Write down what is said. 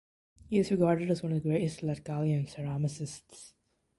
He is regarded as one of the greatest Latgalian ceramicists.